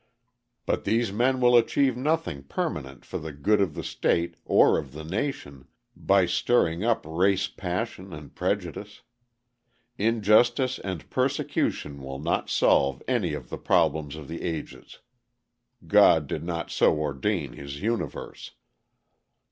But these men will achieve nothing permanent for the good of the state or of the nation by stirring up race passion and prejudice. Injustice and persecution will not solve any of the problems of the ages. God did not so ordain his universe.